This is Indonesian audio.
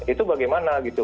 itu bagaimana gitu